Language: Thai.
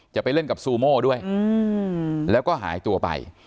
จะไปเล่นกับซูโม่ด้วยแล้วก็หายตัวไป